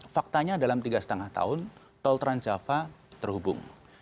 faktanya dalam tiga lima tahun tol trans java terhubung